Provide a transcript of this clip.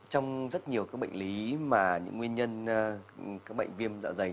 trong rất nhiều các bệnh lý mà những nguyên nhân các bệnh viêm dạ dày